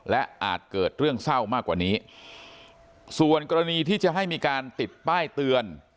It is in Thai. และอาจเกิดเรื่องเศร้ามากกว่านี้ส่วนกรณีที่จะให้มีการติดป้ายเตือน